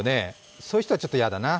そういう人はちょっと嫌だね。